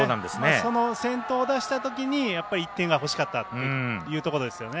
その先頭を出したときにやっぱり１点が欲しかったっていうところですよね。